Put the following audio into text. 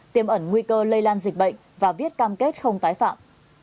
tiêm ẩn nguy cơ lây lan dịch bệnh và viết cam kết không tái phạm